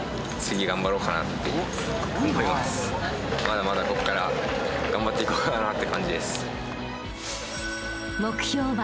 まだまだここから頑張っていこうかなって感じです。